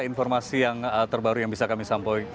informasi yang terbaru yang bisa kami sampaikan